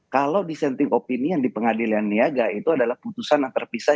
kalau dissenting opini yang di pengadilan niaga itu adalah putusan yang terpisah